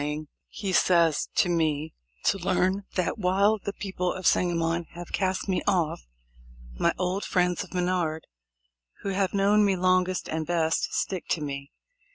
ing," he says, "to me to learn that while the peo ple of Sangamon have cast me off, my old friends of Menard, who have known me longest and best, stick to me.